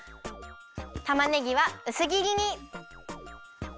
たまねぎはうすぎりに。